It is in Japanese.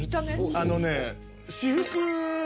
あのね。